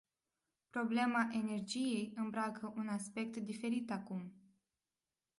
Problema energiei îmbracă un aspect diferit acum.